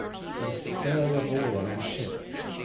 There was stir of all on our ship.